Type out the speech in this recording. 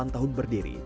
delapan tahun berdiri